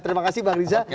terima kasih bang riza